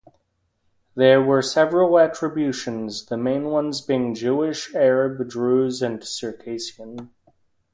There were several attributions, the main ones being Jewish, Arab, Druze and Circassian.